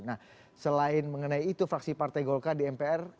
nah selain mengenai itu fraksi partai golkar di mpr